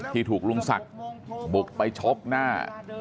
ที่ถูกลุงศักดิ์บุกไปชกหน้า